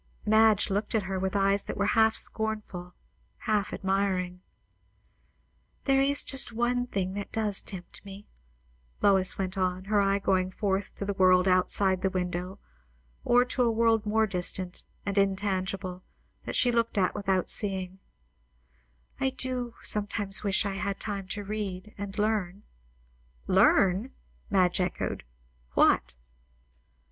Madge looked at her, with eyes that were half scornful, half admiring. "There is just one thing that does tempt me," Lois went on, her eye going forth to the world outside the window, or to a world more distant and in tangible, that she looked at without seeing, "I do sometimes wish I had time to read and learn." "Learn!" Madge echoed. "What?"